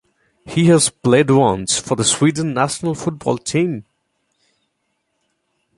He has played once for the Sweden national football team.